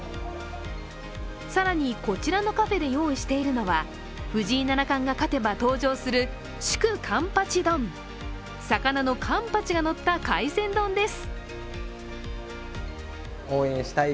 更に、こちらのカフェで用意しているのが藤井七冠が勝てば用意している祝冠八丼、魚のかんぱちがのった海鮮丼です。